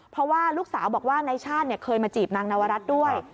เพราะว่าลูกสาวบอกว่านายชาติเคยมาจีบนางนวรัฐด้วย